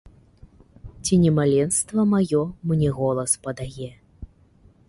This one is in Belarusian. Ці не маленства маё мне голас падае?